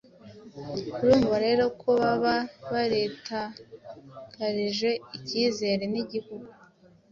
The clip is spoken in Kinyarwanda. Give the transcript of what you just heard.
Urumva rero ko baba baritakarije ikizere n’igihugu